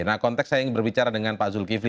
nah konteks saya ingin berbicara dengan pak zulkifli